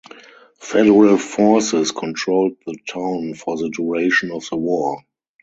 Federal forces controlled the town for the duration of the war.